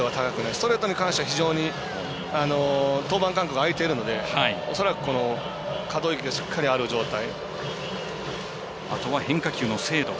ストレートに関しては非常に登板間隔が空いているので恐らく可動域がしっかりある状態。